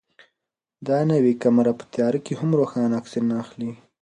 دا نوې کامره په تیاره کې هم روښانه عکسونه اخلي.